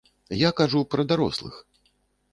Я кажу пра дарослых.